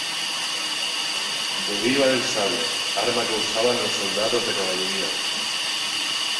Deriva del sable, arma que usaban los soldados de caballería.